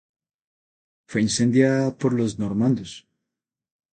Fue incendiada por los normandos.